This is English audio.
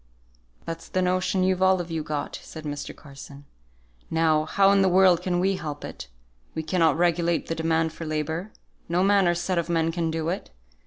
"That's the notion you've all of you got," said Mr. Carson. "Now, how in the world can we help it? We cannot regulate the demand for labour. No man or set of men can do it.